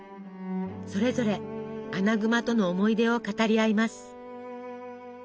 それぞれアナグマとの思い出を語り合います。